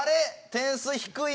点数低い！